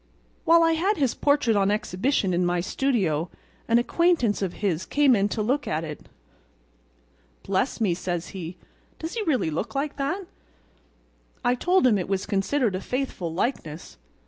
While I had his portrait on exhibition in my studio an acquaintance of his came in to look at it. 'Bless me,' says he, 'does he really look like that?" I told him it was considered a faithful likeness.